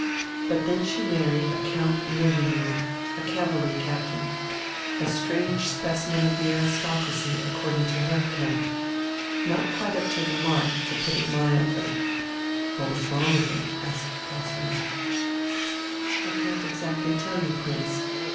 But then she married a Count Löwenjoul, a cavalry captain a strange specimen of the aristocracy, according to her account not quite up to the mark, to put it mildly." "What was wrong with him?" asked Klaus Heinrich. "I can't exactly tell you, Prince.